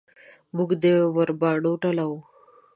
موږ د ورا باڼو ډله وو.